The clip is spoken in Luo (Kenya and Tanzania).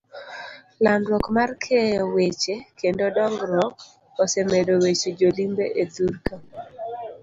Landruok mar keyo weche kendo dong'ruok, osemedo weche jo limbe e thurka.